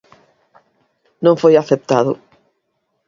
Non foi aceptado.